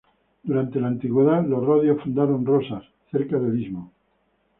Durante la antigüedad los rodios fundaron Rosas cerca del istmo.